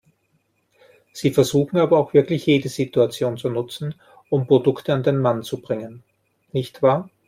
Sie versuchen aber auch wirklich jede Situation zu nutzen, um Produkte an den Mann zu bringen, nicht wahr?